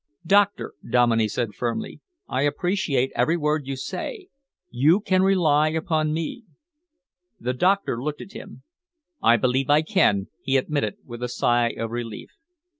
"Doctor," Dominey said firmly. "I appreciate every word you say. You can rely upon me." The doctor looked at him. "I believe I can," he admitted, with a sigh of relief.